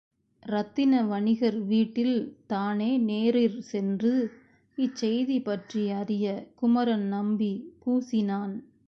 இரத்தின வணிகர் வீட்டில் தானே நேரிற்சென்று இச்செய்திபற்றி அறிய குமரன்நம்பி கூசினான்.